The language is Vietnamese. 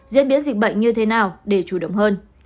diễn biến dịch bệnh như thế nào để chủ động hơn